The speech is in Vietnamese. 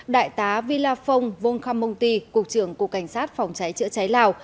đại tá vila phong vongkham monty cục trưởng cục cảnh sát phòng cháy chữa cháy lào